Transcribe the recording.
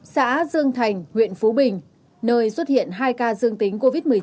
xã dương thành huyện phú bình nơi xuất hiện hai ca dương tính covid một mươi chín